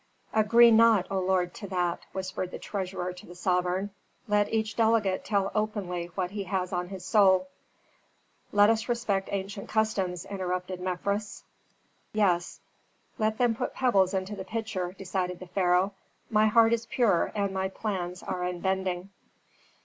"Agree not, O lord, to that," whispered the treasurer to the sovereign. "Let each delegate tell openly what he has on his soul." "Let us respect ancient customs," interrupted Mefres. "Yes, let them put pebbles into the pitcher," decided the pharaoh. "My heart is pure and my plans are unbending."